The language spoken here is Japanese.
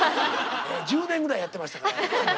１０年ぐらいやってましたから。